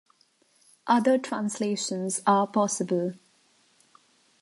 Other translations are possible.